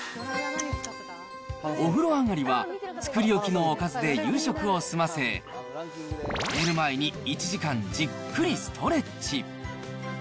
お風呂上りは、作り置きのおかずで夕食を済ませ、寝る前に１時間じっくりストレッチ。